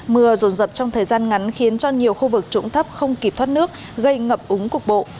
mưa rồn rập trong thời gian ngắn khiến cho nhiều khu vực trũng thấp không kịp thoát nước gây ngập úng cục bộ